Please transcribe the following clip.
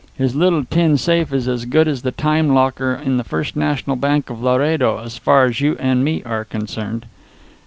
His little tin safe is as good as the time locker in the First National Bank of Laredo as far as you and me are concerned."